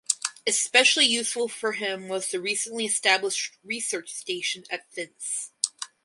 Especially useful for him was the recently established research station at Finse.